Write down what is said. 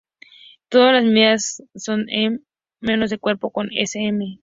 Todas las medidas son en mm, menos el cuerpo que es en cm.